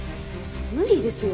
無理ですよ。